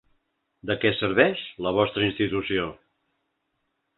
De què serveix la vostra institució?